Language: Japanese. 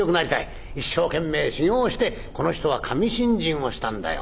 一生懸命修業をしてこの人は神信心をしたんだよ」。